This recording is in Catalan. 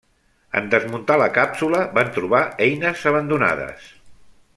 En desmuntar la càpsula van trobar eines abandonades.